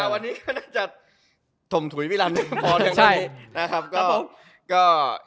วันนี้ก็น่าจะทมถุยพี่รันนึงพอดี